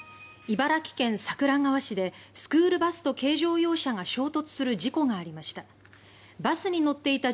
茨城県桜川市でスクールバスと軽乗用車が衝突する事故がありました。